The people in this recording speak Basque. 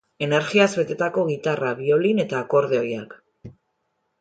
Energiaz betetako gitarra, biolin eta akordeoiak.